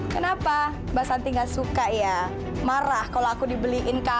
tapi aku harus jauh lagi dan cara bergurau gurau aja